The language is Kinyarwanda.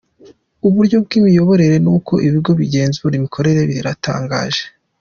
Uburyo bw’imiyoborere n’uko ibigo bigenzura imikorere biratangaje.